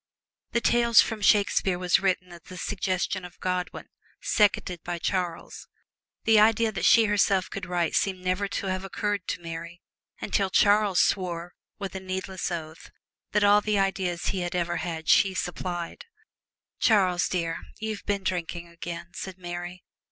The "Tales from Shakespeare" was written at the suggestion of Godwin, seconded by Charles. The idea that she herself could write seemed never to have occurred to Mary, until Charles swore with a needless oath that all the ideas he ever had she supplied. "Charles, dear, you've been drinking again!" said Mary.